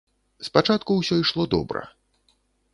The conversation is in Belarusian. Спачатку ўсё ішло добра.